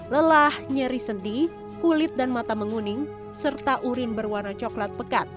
lelah nyeri sendi kulit dan mata menguning serta urin berwarna coklat pekat